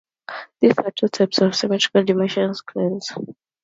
There are two types of symmetric diminished scales.